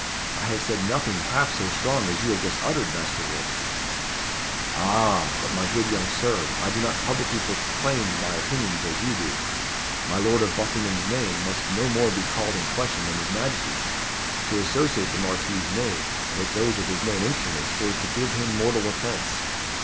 I have said nothing half so strong as you have just uttered, Master Wolfe." "Ah! but, my good young Sir, I do not publicly proclaim my opinions as you do. My lord of Buckingham's name must no more be called in question than his Majesty's. To associate the Marquis's name with those of his known instruments were to give him mortal offence.